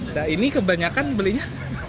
nah ini kebanyakan belinya